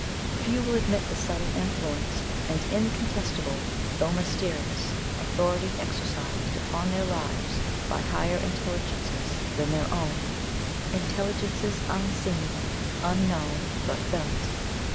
Few will admit the subtle influence and incontestable, though mysterious, authority exercised upon their lives by higher intelligences than their own intelligences unseen, unknown, but felt.